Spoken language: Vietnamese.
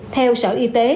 theo sở y tế